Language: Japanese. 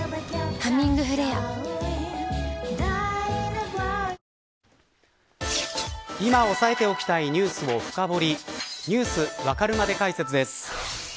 「ハミングフレア」今押さえておきたいニュースを深掘りＮｅｗｓわかるまで解説です。